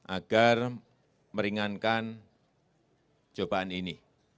agar meringankan cobaan ini